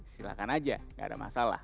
silahkan aja gak ada masalah